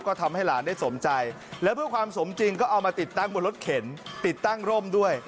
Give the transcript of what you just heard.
ก็ทำให้หลานได้สมใจแล้วเพื่อความสมจริงก็เอามาติดตั้งบนรถเข็นติดตั้งร่มด้วย